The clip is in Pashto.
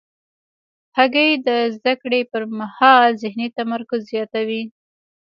هګۍ د زده کړې پر مهال ذهني تمرکز زیاتوي.